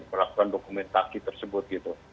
perhatian dokumen taki tersebut gitu